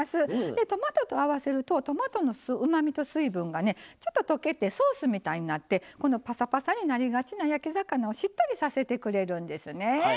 でトマトと合わせるとトマトのうまみと水分がねちょっと溶けてソースみたいになってぱさぱさになりがちな焼き魚をしっとりさせてくれるんですね。